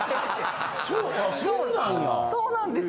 そうなんや。